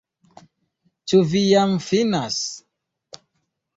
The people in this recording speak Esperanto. Ĉu vi jam finas?